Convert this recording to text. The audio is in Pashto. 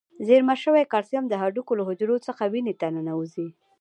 زیرمه شوي کلسیم د هډوکو له حجرو څخه وینې ته ننوزي.